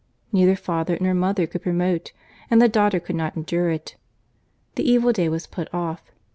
Neither father nor mother could promote, and the daughter could not endure it. The evil day was put off.